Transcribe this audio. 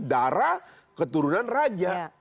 darah keturunan raja